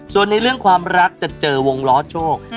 ส่วนในเรื่องความรักจะเจอวงล้อโชค